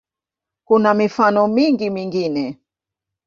Kuna mifano mingi mingine.